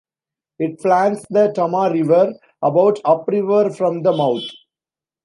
It flanks the Tama River about upriver from the mouth.